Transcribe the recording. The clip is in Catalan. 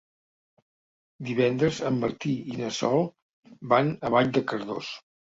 Divendres en Martí i na Sol van a Vall de Cardós.